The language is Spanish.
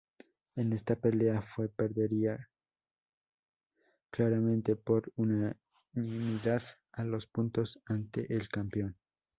En esta pelea Tua perdería claramente por unanimidad a los puntos ante el campeón.